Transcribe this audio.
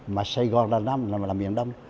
mà sài gòn là miền đông